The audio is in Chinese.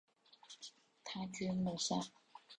他居墓下。